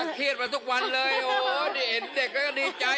นอนมาเครียดมาทุกวันเลยโอ้ได้เห็นเด็กแล้วก็ดีใจอ้าดีใจดีใจดีใจ